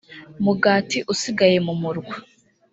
mugati usigaye mu murwa